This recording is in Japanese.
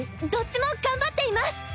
どっちも頑張っています。